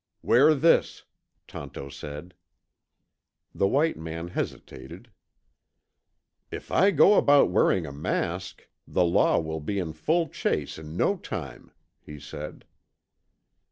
"Wear this," Tonto said. The white man hesitated. "If I go about wearing a mask, the law will be in full chase in no time," he said.